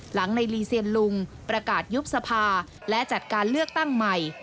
หลังในลีเซียนลุงประกาศยุบสภาและจัดการเลือกตั้งใหม่